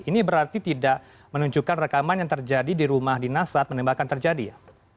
ini berarti tidak menunjukkan rekaman yang terjadi di rumah dinas saat penembakan terjadi ya